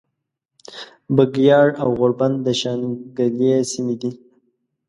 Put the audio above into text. بګیاړ او غوربند د شانګلې سیمې دي